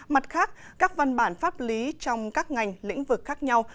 mặt khác các văn bản pháp lý trong các ngành lĩnh vực khác nhau